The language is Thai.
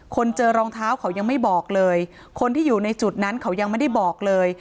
เจอรองเท้าเขายังไม่บอกเลยคนที่อยู่ในจุดนั้นเขายังไม่ได้บอกเลย